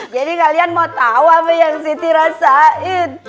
jadi kalian mau tau apa yang siti rasain